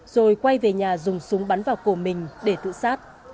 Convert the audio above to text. rồi quay về nhà dùng súng bắn vào cổ mình để tự sát